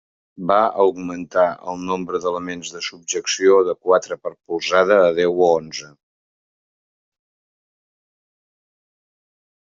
Va augmentar el nombre d'elements de subjecció de quatre per polzada a deu o onze.